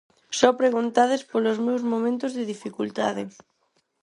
Só preguntades polos meus momentos de dificultade.